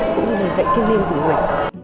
cũng như dạy kinh nghiệm của người